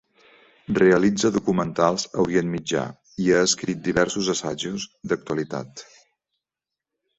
Realitza documentals a Orient Mitjà i ha escrit diversos assajos d'actualitat.